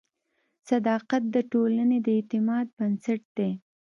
صداقت د ټولنې د اعتماد بنسټ دی.